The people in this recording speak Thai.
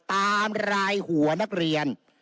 ตามรายหัวนักเรียน